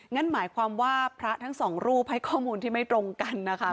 งั้นหมายความว่าพระทั้งสองรูปให้ข้อมูลที่ไม่ตรงกันนะคะ